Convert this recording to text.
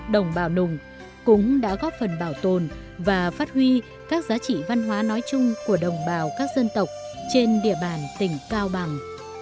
đồng bào nùng cũng đã góp phần bảo tồn và phát huy các giá trị văn hóa nói chung của đồng bào các dân tộc trên địa bàn tỉnh cao bằng